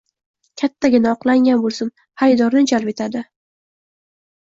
Kattagina, oqlangan bo'lsin, xaridorni jalb etadi